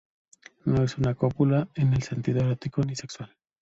No es una cópula en el sentido erótico ni sexual.